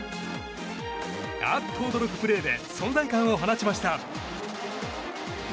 あっと驚くプレーで存在感を放ちました。